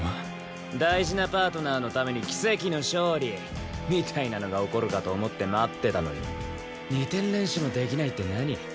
大事なパートナーのために奇跡の勝利！みたいなのが起こるかと思って待ってたのに２点連取もできないって何？